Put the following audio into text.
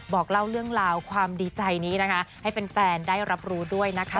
บอกเล่าเรื่องราวความดีใจนี้นะคะให้แฟนได้รับรู้ด้วยนะคะ